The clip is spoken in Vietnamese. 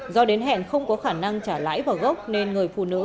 do đến hẹn không có khả năng trả lãi vào gốc nên người phụ nữ